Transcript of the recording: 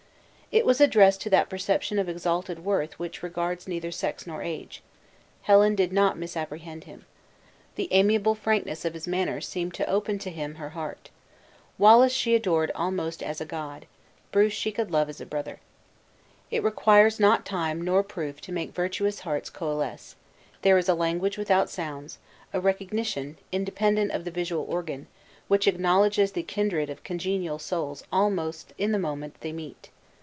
It was addressed to that perception of exalted worth which regards neither sex nor age. Helen did not misapprehend him. The amiable frankness of his manner seemed to open to him her heart. Wallace she adored almost as a god; Bruce she could love as a brother. It requires not time nor proof to make virtuous hearts coalesce; there is a language without sounds, a recognition, independent of the visual organ, which acknowledges the kindred of congenial souls almost in the moment they meet.